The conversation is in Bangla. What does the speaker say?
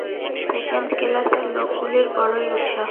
সেকেণ্ড কেলাসের লোকগুলির বড়ই উৎসাহ।